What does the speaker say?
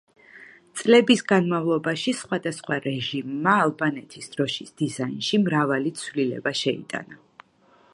წლების განმავლობაში, სხვადასხვა რეჟიმმა, ალბანეთის დროშის დიზაინში მრავალი ცვლილება შეიტანა.